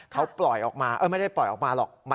เขาปล่อยออกมาไม่ได้ปล่อยออกมาหรอก